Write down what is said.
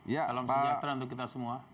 salam sejahtera untuk kita semua